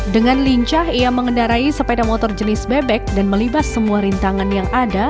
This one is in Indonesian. dengan lincah ia mengendarai sepeda motor jenis bebek dan melibas semua rintangan yang ada